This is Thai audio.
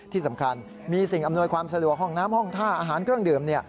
ที่สำคัญมีสิ่งอำนวยความสะดวกห้องน้ำห้องท่าอาหารเครื่องดื่ม